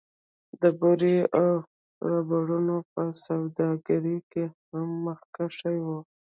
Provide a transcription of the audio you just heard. د بورې او ربړونو په سوداګرۍ کې هم مخکښ و